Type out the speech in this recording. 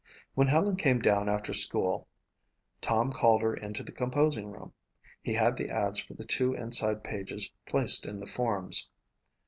When Helen came down after school Tom called her into the composing room. He had the ads for the two inside pages placed in the forms.